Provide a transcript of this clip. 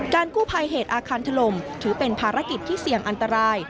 กู้ภัยเหตุอาคารถล่มถือเป็นภารกิจที่เสี่ยงอันตราย